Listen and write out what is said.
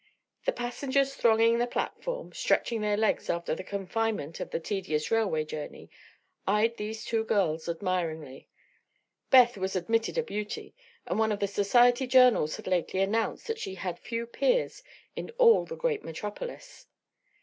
The passengers thronging the platform "stretching their legs" after the confinement of the tedious railway journey eyed these two girls admiringly. Beth was admitted a beauty, and one of the society journals had lately announced that she had few peers in all the great metropolis.